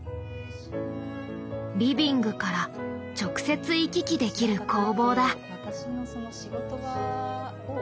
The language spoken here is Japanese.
リビングから直接行き来できる工房だ。